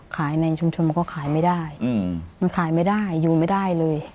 ในชุมชนมันก็ขายไม่ได้มันขายไม่ได้อยู่ไม่ได้เลย